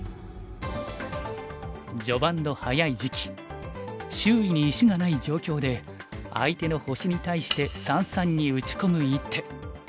序盤の早い時期周囲に石がない状況で相手の星に対して三々に打ち込む一手。